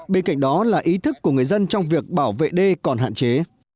bên cạnh đó là ý thức của người dân trong việc bảo vệ đê còn hạn chế